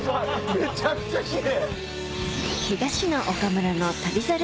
めちゃくちゃ奇麗。